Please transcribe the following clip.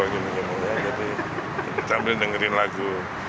jadi sambil dengerin lagu